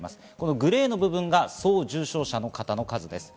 グレーの部分が総重症者の方の数です。